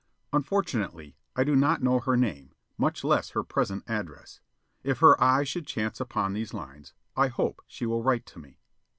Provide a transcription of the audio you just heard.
Unfortunately, I do not know her name, much less her present address. If her eyes should chance upon these lines, I hope she will write to me.